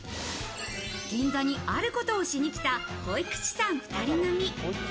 銀座にあることをしに来た保育士さん２人組。